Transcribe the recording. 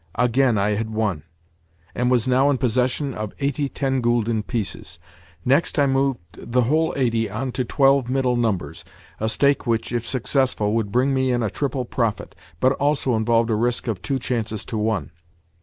Again I had won, and was now in possession of eighty ten gülden pieces. Next, I moved the whole eighty on to twelve middle numbers (a stake which, if successful, would bring me in a triple profit, but also involved a risk of two chances to one).